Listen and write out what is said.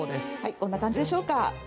こんな感じでしょうか。